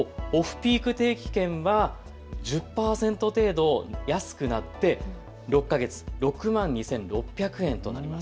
一方、オフピーク定期券は１０％程度安くなって４か月６万２６００円となります。